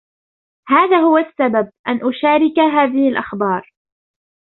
هذا هو السبب أن أُشارك هذه الأخبار.